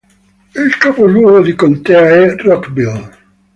Il capoluogo di contea è Rockville.